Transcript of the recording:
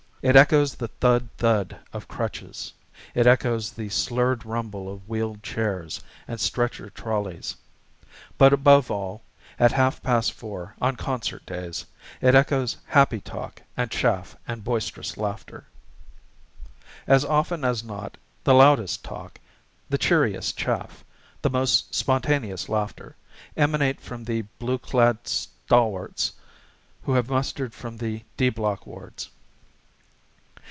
It echoes the thud thud of crutches. It echoes the slurred rumble of wheeled chairs and stretcher trollies. But, above all, at half past four on concert days it echoes happy talk and chaff and boisterous laughter. As often as not, the loudest talk, the cheeriest chaff, the most spontaneous laughter, emanate from the blue clad stalwarts who have mustered from the "D" Block wards.